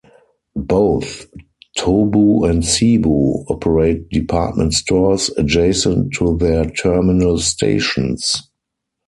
Both Tobu and Seibu operate department stores adjacent to their terminal stations.